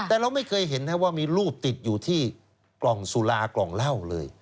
แต่เราไม่เคยเห็นว่ามีรูปติดอยู่ที่กล่องสุรากล่องเหล้าเลย